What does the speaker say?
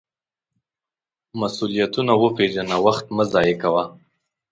مسؤلیتونه وپیژنه، وخت مه ضایغه کوه.